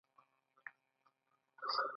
غرمه د کورنۍ د خوښۍ شیبه ده